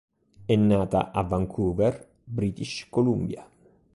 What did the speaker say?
È nata a Vancouver, British Columbia